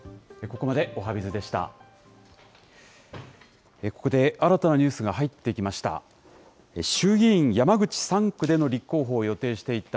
ここで新たなニュースが入ってきました。